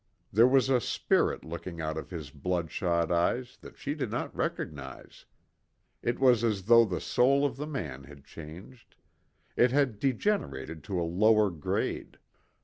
There was a spirit looking out of his bloodshot eyes that she did not recognize. It was as though the soul of the man had changed; it had degenerated to a lower grade.